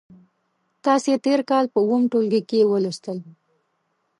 تاسې تېر کال په اووم ټولګي کې ولوستل.